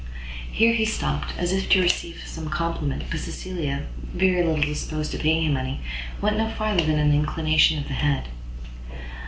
Here he stopt, as if to receive some compliment, but Cecilia, very little disposed to pay him any, went no farther than an inclination of the head.